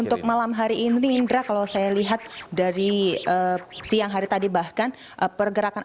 untuk malam hari ini indra kalau saya lihat dari siang hari tadi bahkan pergerakan